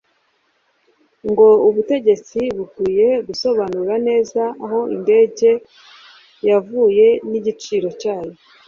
ngo ubutegetsi bukwiye gusobanura neza aho indege yavuye n’igiciro cyayo